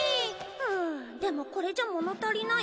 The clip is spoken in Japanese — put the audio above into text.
うんでもこれじゃもの足りない。